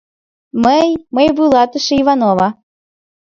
Мый, мый вуйлатыше Иванова...